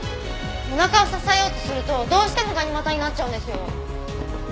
お腹を支えようとするとどうしてもガニ股になっちゃうんですよ。